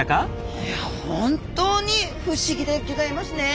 いや本当に不思議でギョざいますねえ。